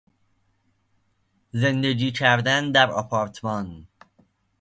زندگی کردن در آپارتمان